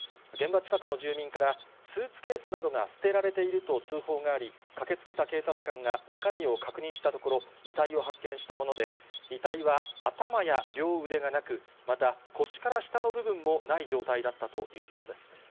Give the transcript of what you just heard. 現場近くの住民から、スーツケースなどが捨てられていると通報があり、駆けつけた警察官が中身を確認したところ、遺体を発見したもので、遺体は頭や両腕がなく、また、腰から下の部分もない状態だったということです。